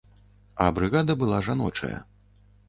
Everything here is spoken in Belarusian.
А брыгада была жаночая.